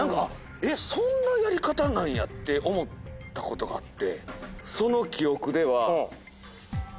えっそんなやり方なんやって思ったことがあって。